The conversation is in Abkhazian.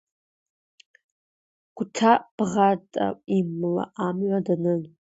Гәата-бӷата имала амҩа данын.